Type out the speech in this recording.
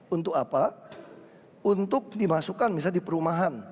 untuk apa untuk dimasukkan misalnya di perumahan